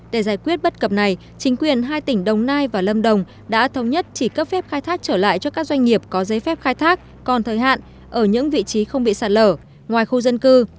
tuy nhiên hai tỉnh đồng nai và lâm đồng đã thống nhất chỉ cấp phép khai thác trở lại cho các doanh nghiệp có giấy phép khai thác còn thời hạn ở những vị trí không bị sạt lở ngoài khu dân cư